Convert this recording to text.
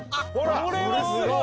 これはすごい！